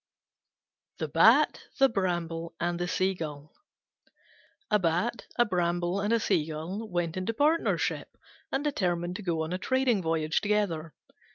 THE BAT, THE BRAMBLE, AND THE SEAGULL A Bat, a Bramble, and a Seagull went into partnership and determined to go on a trading voyage together.